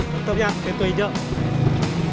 tutup ya betul hijau